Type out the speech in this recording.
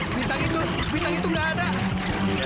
bintang itu bintang itu nggak ada